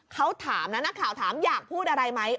เขาถามนะถามอยากพูดอะไรไหม